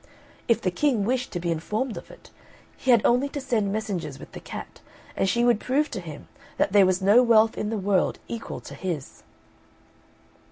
If the King wished to be informed of it, he had only to send messengers with the cat, and she would prove to him that there was no wealth in the world equal to his.